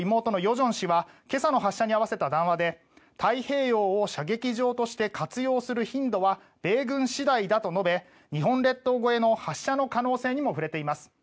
正氏は今朝の発射に合わせた談話で太平洋を射撃場として活用する頻度は米軍次第だと述べ日本列島越えの発射の可能性にも触れています。